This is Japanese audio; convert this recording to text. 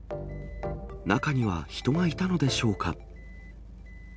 中には人がいたのでしょうか。